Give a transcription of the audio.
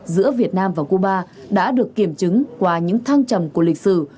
giữa việt nam và cuba đã được kiểm chứng qua những thăng trầm của lịch sử